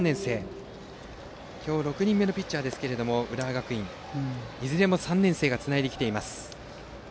浦和学院は今日、６人目のピッチャーですがいずれも３年生がつないできています。